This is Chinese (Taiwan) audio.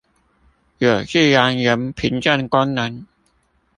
有自然人憑證功能